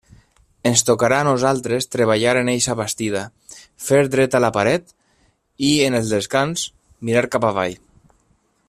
Ens tocarà a nosaltres treballar en eixa bastida, fer dreta la paret i en el descans mirar cap avall.